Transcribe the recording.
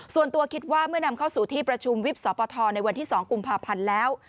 ส่วนตัวคิดว่าเมื่อนำเข้าสู่ที่ประชุมวิบสปทในวันที่๒กุมภาพันธ์แล้ว